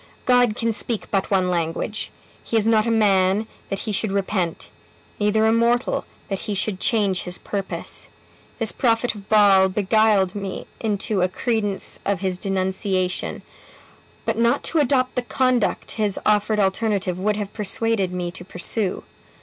God can speak but one language. He is not a man, that he should repent; neither a mortal, that he should change his purpose. This prophet of Baal beguiled me into a credence of his denunciation; but not to adopt the conduct his offered alternative would have persuaded me to pursue.